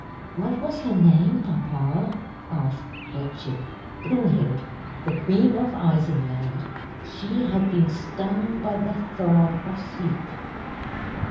"What was her name, papa?" asked Gretchen. "Brunhild, the Queen of Isenland. She had been stung by the thorn of sleep."